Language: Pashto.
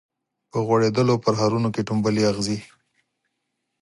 په غوړیدولو پرهرونو کي ټومبلي اغزي